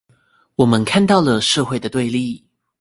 我們看到了社會的對立